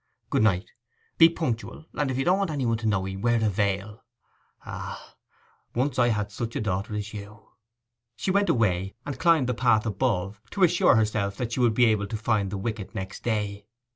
Good night. Be punctual; and if you don't want anybody to know 'ee, wear a veil. Ah—once I had such a daughter as you!' She went away, and climbed the path above, to assure herself that she would be able to find the wicket next day.